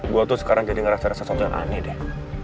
gue tuh sekarang jadi ngerasa rasa soal ani deh